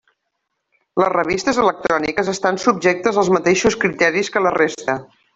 Les revistes electròniques estan subjectes als mateixos criteris que la resta.